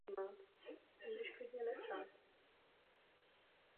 Nežádejte prosím evropské orgány o to, co nemohou splnit.